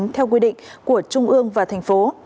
theo quy định của trung ương và thành phố